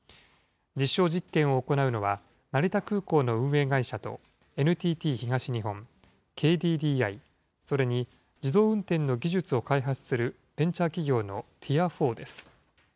実証実験を行うのは、成田空港の運営会社と、ＮＴＴ東日本、ＫＤＤＩ、それに、自動運転の技術を開発するベンチャー企業のティアフォーです。